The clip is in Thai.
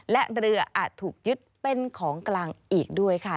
และเรืออาจถูกยึดเป็นของกลางอีกด้วยค่ะ